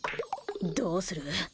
どうする？